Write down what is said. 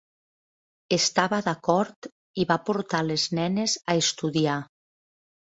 Estava d'acord i va portar les nenes a estudiar.